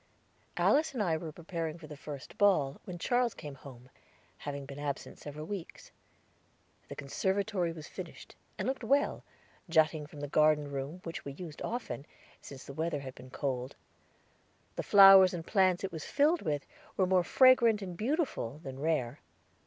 Alice and I were preparing for the first ball, when Charles came home, having been absent several weeks. The conservatory was finished, and looked well, jutting from the garden room, which we used often, since the weather had been cold. The flowers and plants it was filled with were more fragrant and beautiful than rare.